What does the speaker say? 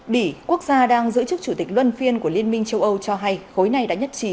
bỉ quốc gia đang giữ chức chủ tịch luân phiên của liên minh châu âu cho hay khối này đã nhất trí